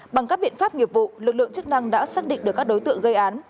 bằng các biện pháp nghiệp vụ lực lượng chức năng đã xác định được các đối tượng gây án